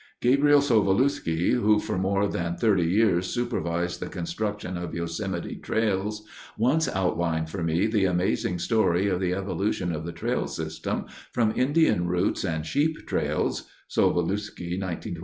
Gabriel Sovulewski, who for more than thirty years supervised the construction of Yosemite trails, once outlined for me the amazing story of the evolution of the trail system from Indian routes and sheep trails (Sovulewski, 1928, pp.